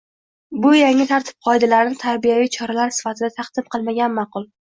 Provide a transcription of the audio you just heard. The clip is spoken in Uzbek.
Bu yangi tartib-qoidalarni tarbiyaviy choralar sifatida taqdim qilmagan ma’qul.